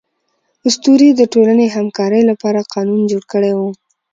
اسطورې د ټولنې همکارۍ لپاره قانون جوړ کړی و.